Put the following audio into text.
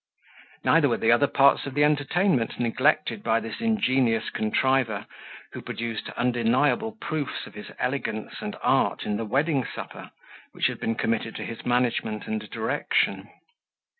Neither were the other parts of the entertainment neglected by this ingenious contriver, who produced undeniable proofs of his elegance and art in the wedding supper, which had been committed to his management and direction.